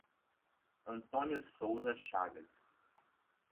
Antônio Souza Chagas